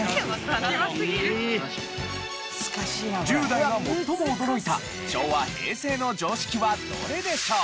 １０代が最も驚いた昭和・平成の常識はどれでしょう？